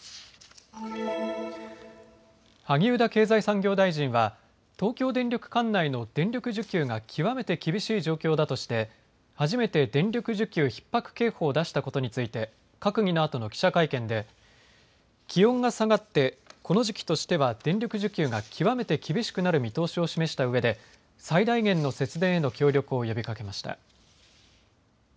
萩生田経済産業大臣は東京電力管内の電力需給が極めて厳しい状況だとして初めて電力需給ひっ迫警報を出したことについて閣議のあとの記者会見で気温が下がってこの時期としては電力需給が極めて厳しくなる見通しを示したうえで最大限の節電への協力を呼びかけました。